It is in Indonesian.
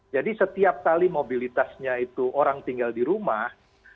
jadi setiap kali mobilitasnya itu orang tinggal di rumah